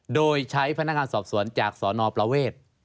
โดยใช้พนักงานสอบสวนจากสนประเวท